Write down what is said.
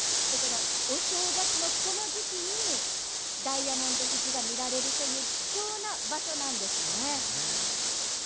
お正月のこの時期にダイヤモンド富士が見られるという貴重な場所なんですね。